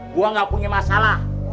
gua gak punya masalah